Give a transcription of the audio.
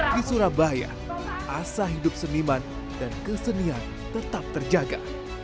di surabaya asa hidup seniman dan kesenian tetap terjaga